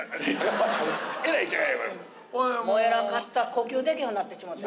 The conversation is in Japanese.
呼吸できへんようになってしもうて。